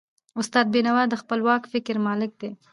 استاد بینوا د خپلواک فکر مالک و.